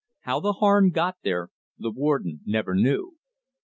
How the Harn got there, the Warden never knew.